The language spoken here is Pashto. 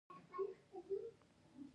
د کابل نړیوال هوايي ډګر مهم دی